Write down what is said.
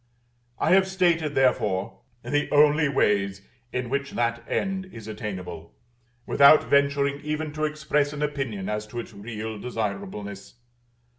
I have stated, therefore, the only ways in which that end is attainable, without venturing even to express an opinion as to its real desirableness.